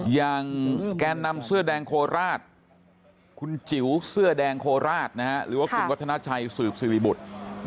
แกนนำเสื้อแดงโคราชคุณจิ๋วเสื้อแดงโคราชหรือว่าคุณวัฒนาชัยสืบสิริบุตร